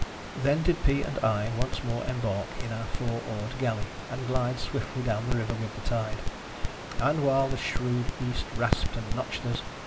Then did Pea and I once more embark in our four oared galley, and glide swiftly down the river with the tide. And while the shrewd East rasped and notched us.